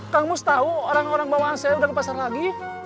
kang mus tau orang orang bawaan saya udah di pasar lagi